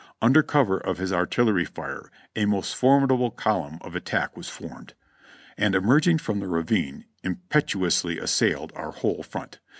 Under cover of his artillery fire a most formidable column of attack was formed, and emerging from the ravine im petuously assailed our whole front.